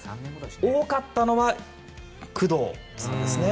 多かったのは、工藤さんですね。